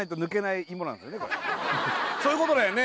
そういうことだよね